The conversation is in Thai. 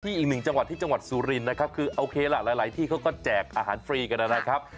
อีกหนึ่งจังหวัดที่จังหวัดสุรินนะครับคือโอเคล่ะหลายที่เขาก็แจกอาหารฟรีกันนะครับ